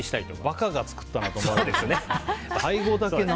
馬鹿が作ったなと思われますね。